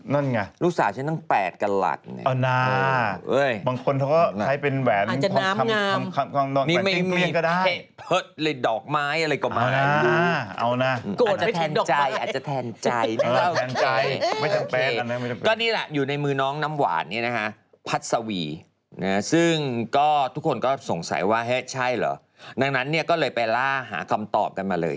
อ๋อมันยังไม่แต่งเหรอตกลงแล้วยังไงเนี่ยลวงเหรอ